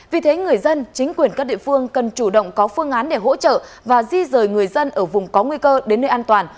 vì thế người dân chính quyền các địa phương cần chủ động có phương án để hỗ trợ và di rời người dân ở vùng có nguy cơ đến nơi an toàn